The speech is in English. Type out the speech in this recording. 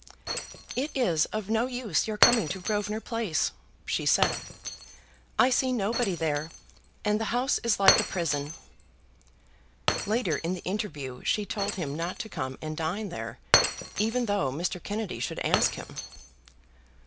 "It is of no use your coming to Grosvenor Place," she said. "I see nobody there, and the house is like a prison." Later in the interview she told him not to come and dine there, even though Mr. Kennedy should ask him.